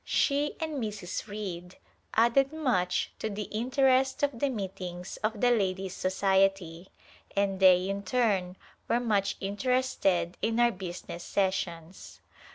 She and Mrs. Reid added much to the interest of the meetings of the Ladies' Society, and they, in turn, were much interested in our business sessions.